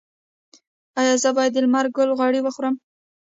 ایا زه باید د لمر ګل غوړي وخورم؟